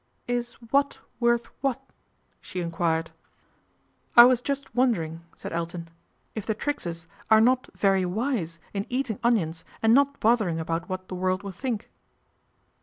" Is what svorth what ?" she enquired. 296 PATRICIA BRENT, SPINSTER " I was just wondering," said Elton, " if the Triggses are not very wise in eating onions and not bothering about what the world will think."